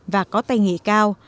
và có tay nghề cao